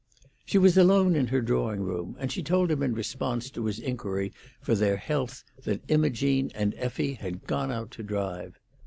She was alone in her drawing room, and she told him in response to his inquiry for their health that Imogene and Effie had gone out to drive.